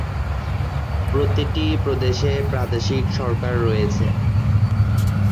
প্রতিটি প্রদেশে প্রাদেশিক সরকার রয়েছে।